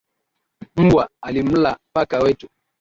Mbwa alimla paka wetu